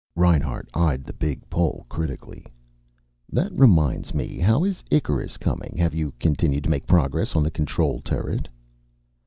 Reinhart eyed the big Pole critically. "That reminds me. How is Icarus coming? Have you continued to make progress on the control turret?"